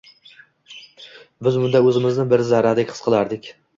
Biz bunda o‘zimizni bir zarradek his qilardik.